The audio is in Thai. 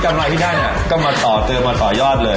กำไรที่ได้ก็มาต่อเติมมาต่อยอดเลย